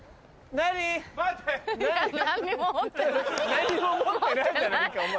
何も持ってないじゃないかお前。